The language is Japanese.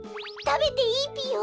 たべていいぴよ？